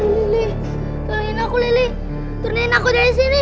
lili tolong aku lili turunkan aku dari sini